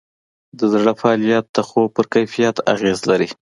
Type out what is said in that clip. د زړه فعالیت د خوب پر کیفیت اغېز لري.